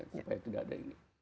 supaya tidak ada ini